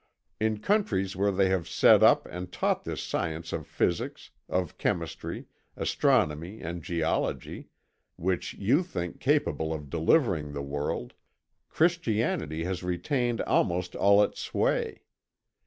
In countries where they have set up and taught this science of physics, of chemistry, astronomy, and geology, which you think capable of delivering the world, Christianity has retained almost all its sway.